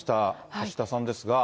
橋田さんですが。